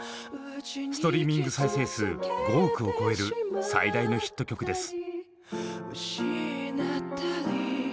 ストリーミング再生数５億を超える最大のヒット曲です。